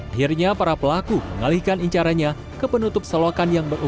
akhirnya para pelaku mengalihkan incaranya ke penutup selokan yang berbeda